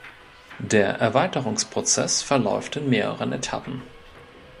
Der Erweiterungsprozess verläuft in mehreren Etappen.